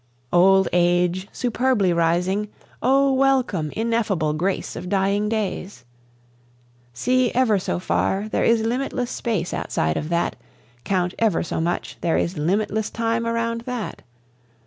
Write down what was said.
Old age superbly rising! O welcome, ineffable grace of dying days! See ever so far, there is limitless space outside of that, Count ever so much, there is limitless time around that.